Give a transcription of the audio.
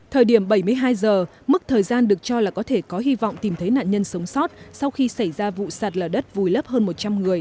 thời điểm bảy mươi hai giờ mức thời gian được cho là có thể có hy vọng tìm thấy nạn nhân sống sót sau khi xảy ra vụ sạt lở đất vùi lấp hơn một trăm linh người